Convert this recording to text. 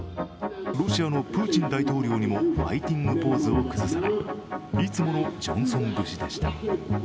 ロシアのプーチン大統領にもファイティングポーズを崩さないいつものジョンソン節でした。